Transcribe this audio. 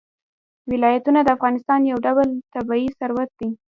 ولایتونه د افغانستان یو ډول طبعي ثروت دی.